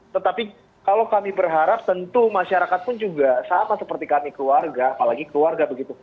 tetapi kalau kami berharap tentu masyarakat pun juga sama seperti kami keluarga apalagi keluarga begitu